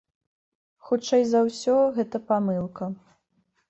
Хутчэй за ўсё, гэта памылка.